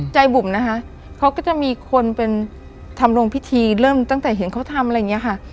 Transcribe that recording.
บุ๋มนะคะเขาก็จะมีคนเป็นทำลงพิธีเริ่มตั้งแต่เห็นเขาทำอะไรอย่างนี้ค่ะ